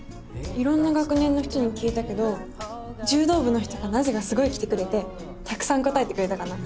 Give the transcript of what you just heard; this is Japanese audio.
いろんな学年の人に聞いたけどじゅうどう部の人がなぜかすごい来てくれてたくさん答えてくれたかな。